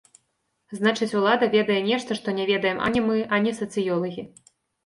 Значыць, улада ведае нешта, што не ведаем ані мы, ані сацыёлагі.